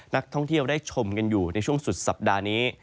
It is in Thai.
นักท่องเที่ยวได้ชมกันอยู่ในช่วงสุดสัปดาห์นี้